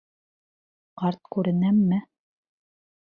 Ҡарт күренәмме?